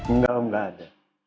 enggak om enggak ada